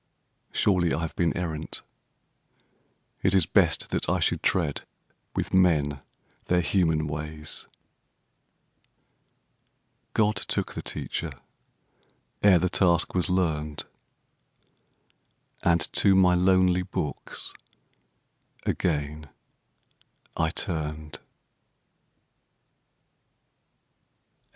"Surely I have been errant: it is best That I should tread, with men their human ways." God took the teacher, ere the task was learned, And to my lonely books again I turned.